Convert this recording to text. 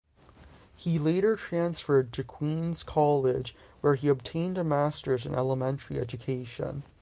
He later transferred to Queens College where he obtained a Masters in elementary education.